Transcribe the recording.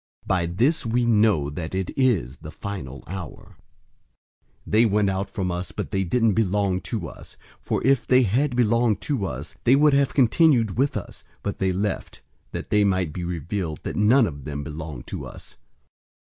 By this we know that it is the final hour. 002:019 They went out from us, but they didn't belong to us; for if they had belonged to us, they would have continued with us. But they left, that they might be revealed that none of them belong to us.